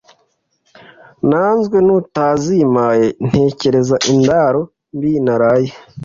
Nanzwe n'utazimpaye ntekereza indaro mbi naraye